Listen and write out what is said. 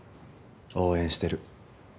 応援してる。